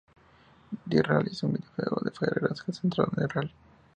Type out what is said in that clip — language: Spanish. Dirt Rally es un videojuego de carreras centrado en el rally.